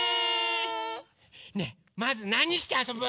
ねえまずなにしてあそぶ？